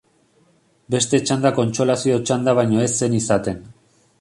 Beste txanda kontsolazio txanda baino ez zen izaten.